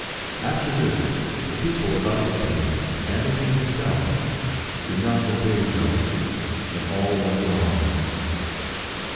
After this, the people about the King, and the King himself, did not obey Joan, and all went wrong.